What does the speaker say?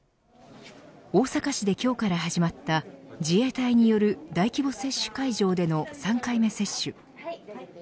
大阪市で今日から始まった自衛隊による大規模接種会場での３回目接種。